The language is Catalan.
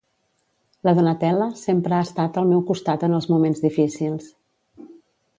La Donatella sempre ha estat al meu costat en els moments difícils.